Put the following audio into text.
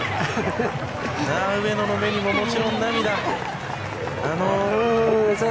上野の目にも、もちろん涙。